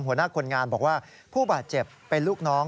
หัวหน้าคนงานบอกว่าผู้บาดเจ็บเป็นลูกน้อง